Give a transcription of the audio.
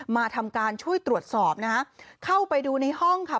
มาทำการช่วยตรวจสอบนะฮะเข้าไปดูในห้องค่ะ